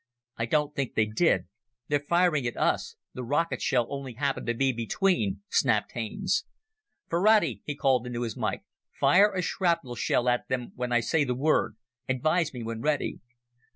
"I don't think they did. They're firing at us the rocket shell only happened to be between," snapped Haines. "Ferrati," he called into his mike, "fire a shrapnel shell at them when I say the word. Advise me when ready!"